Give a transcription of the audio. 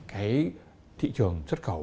cái thị trường xuất khẩu